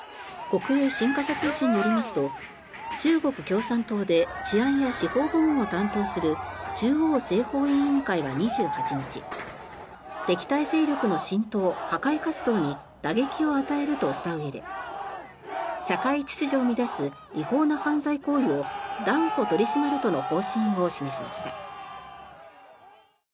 国営新華社通信によりますと中国共産党で治安や司法部門を担当する中央政法委員会は２８日敵対勢力の浸透、破壊活動に打撃を与えるとしたうえで社会秩序を乱す違法な犯罪行為を断固取り締まるとの方針を示しました。